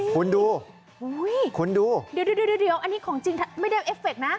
คุณดูคุณดูเดี๋ยวอันนี้ของจริงไม่ได้เอฟเฟคนะ